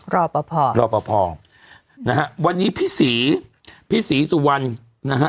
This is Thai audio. รอปภรอปภนะฮะวันนี้พี่ศรีพี่ศรีสุวรรณนะฮะ